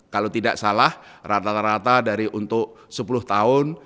kalau tidak salah rata rata dari untuk sepuluh tahun